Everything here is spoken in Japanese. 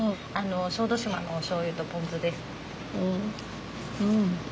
小豆島のおしょうゆとポン酢です。